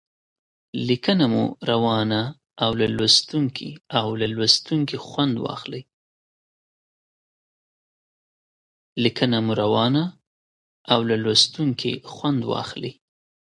لیکنه مو روانه او له لوستونکي خوند واخلي.